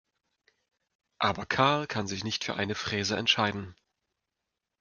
Aber Karl kann sich nicht für eine Fräse entscheiden.